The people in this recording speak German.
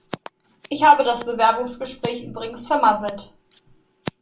Ich habe das Bewerbungsgespräch übrigens vermasselt.